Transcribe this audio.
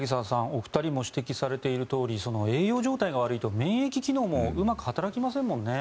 お二人も指摘されているとおり栄養状態が悪いと免疫機能もうまく働きませんもんね。